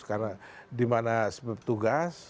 karena di mana sebuah tugas